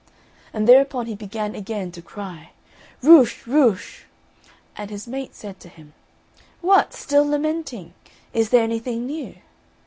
And thereupon he began again to cry, "Rucche, rucche!" And his mate said to him, "What, still lamenting! Is there anything new?"